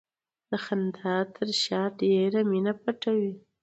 د خندا تر شا ډېره مینه پټه وي.